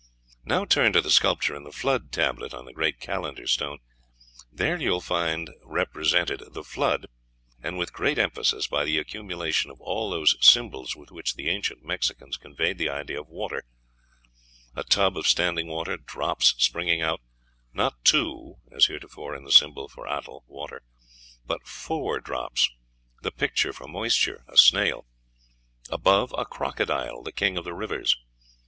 Now turn to the sculpture in the Flood tablet (on the great Calendar stone). There you will find represented the Flood, and with great emphasis, by the accumulation of all those symbols with which the ancient Mexicans conveyed the idea of water: a tub of standing water, drops springing out not two, as heretofore in the symbol for Atl, water but four drops; the picture for moisture, a snail; above, a crocodile, the king of the rivers.